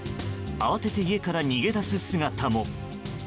慌てて家から逃げ出す姿も。